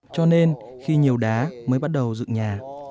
cho nên khi nhiều đá mới bắt đầu dựng nhà